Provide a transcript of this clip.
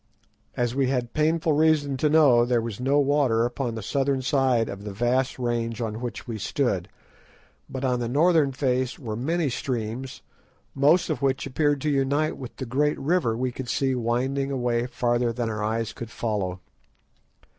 As we had painful reason to know, there was no water upon the southern side of the vast range on which we stood, but on the northern face were many streams, most of which appeared to unite with the great river we could see winding away farther than our eyes could follow.